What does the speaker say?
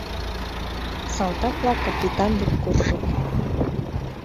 Салтак-влак капитан дек куржыт.